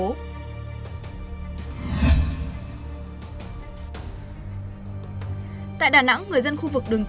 tại đà nẵng người dân khu vực đường dân người dân khu vực đường dân